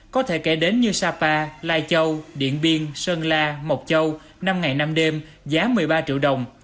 có thể kể đến như sapa lai châu điện biên sơn la mộc châu năm ngày năm đêm giá một mươi ba triệu đồng